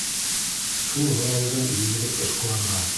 Шул һорауҙы бирҙек эшҡыуарға.